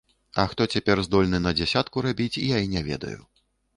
А хто цяпер здольны на дзясятку рабіць, я і не ведаю.